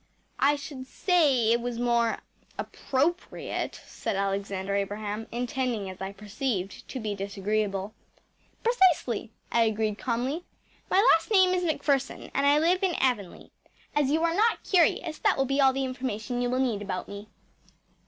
‚ÄĚ “I should say it was more appropriate,‚ÄĚ said Alexander Abraham, intending, as I perceived, to be disagreeable. ‚ÄúPrecisely,‚ÄĚ I agreed calmly. “My last name is MacPherson, and I live in Avonlea. As you are NOT curious, that will be all the information you will need about me.